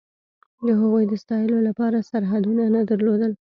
د هغوی د ستایلو لپاره سرحدونه نه درلودل.